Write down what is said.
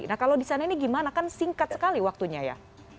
nah kalau di sana ini gimana kan singkat sekali waktunya ya